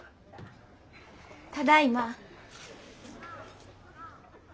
ただいま。